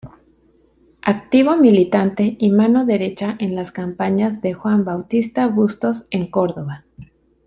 Activo militante y mano derecha en las campañas de Juan Bautista Bustos en Córdoba.